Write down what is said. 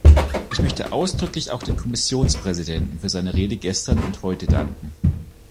Ich möchte ausdrücklich auch dem Kommissionspräsidenten für seine Rede gestern und heute danken!